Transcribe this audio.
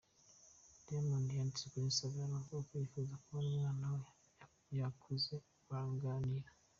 Diamond yanditse kuri instagram avuga ko yifuza kubona umwana we yakuze baganira.